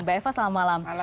mbak eva selamat malam